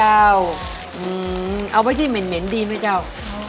เอาไว้ที่เหม็นดีไหมเจ้า